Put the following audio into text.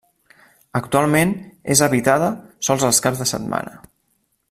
Actualment és habitada sols els caps de setmana.